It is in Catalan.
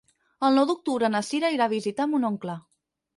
El nou d'octubre na Cira irà a visitar mon oncle.